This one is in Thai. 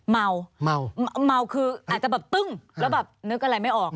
เมาเมาคืออาจจะแบบตึ้งแล้วแบบนึกอะไรไม่ออก